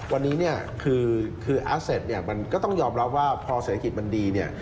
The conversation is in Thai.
วันนี้คืออาเซตก็ต้องยอมรับว่าพอเศรษฐกิจมันดี